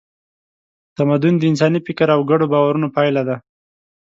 تمدن د انساني فکر او ګډو باورونو پایله ده.